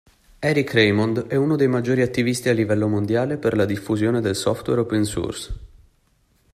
Eric Raymond è uno dei maggiori attivisti a livello mondiale per la diffusione del software open source.